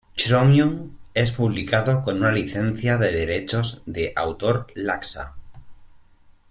Chromium es publicado con una licencia de derechos de autor laxa.